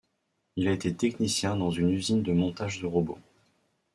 Il a été technicien dans une usine de montage de robots.